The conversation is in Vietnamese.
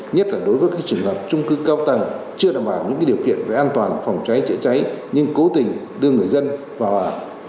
nhất là đối với các trường hợp trung cư cao tầng chưa đảm bảo những điều kiện về an toàn phòng cháy chữa cháy nhưng cố tình đưa người dân vào